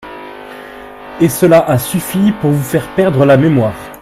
Et cela a suffi pour vous faire perdre la mémoire !